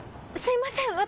すいません！